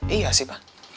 iya sih pak